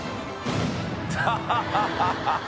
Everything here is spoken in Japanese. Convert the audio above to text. ハハハ